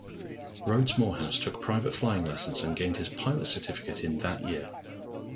Rhodes-Moorhouse took private flying lessons and gained his pilot's certificate in that year.